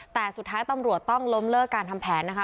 แต่สุดท้ายตำรวจต้องล้มเลิกการทำแผนนะคะ